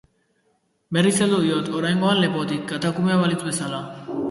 Berriz heldu diot, oraingoan lepotik, katakumea balitz bezala.